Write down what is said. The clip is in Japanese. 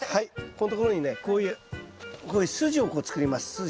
ここんところにねこういうこういう筋をこう作ります筋。